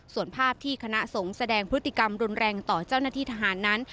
ส่วนภาพที่คณะสงฆ์แสดงพฤติกรรมรุนแรงต่อเจ้าหน้าที่ทหารนั้น